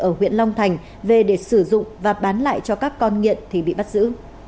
ở huyện long thành về để sử dụng và bán lại cho các con nghiện thì bị bắt giữ